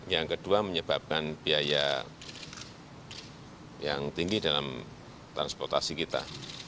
yang kedua menyebabkan biaya yang tinggi dalam transportasi kita